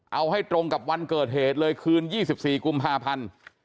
เอาให้ตรงกับวันเกิดเหตุเลยคืน๒๔กุมภาพันธ์